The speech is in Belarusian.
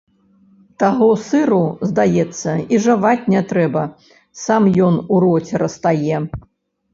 Таго сыру, здаецца, і жаваць не трэба, сам ён у роце растае.